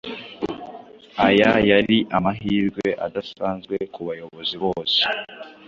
Aya yari amahirwe adasanzwe ku bayobozi bose